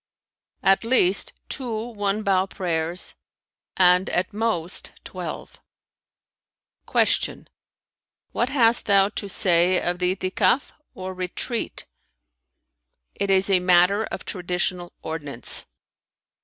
"At least, two one bow prayers and at most, twelve." Q "What hast thou to say of the I'itikαf or retreat[FN#320]?" "It is a matter of traditional ordinance."